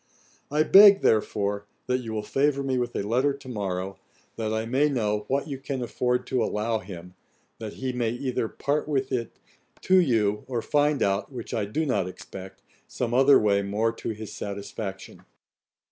I beg, therefore, that you will favour me with a letter to morrow, that I may know what you can afford to allow him, that he may either part with it to you, or find out, (which I do not expect,) some other way more to his satisfaction.